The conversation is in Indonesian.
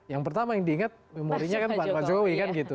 yang pertama yang diingat memorinya kan pak jokowi kan gitu